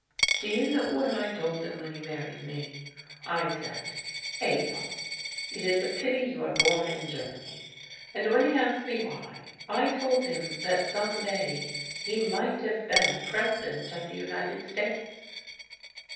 "Do you know what I told him when he married me? I said, 'Adolf, it is a pity you are born in Germany.' And when he asked me why, I told him that some day he might have been President of the United States."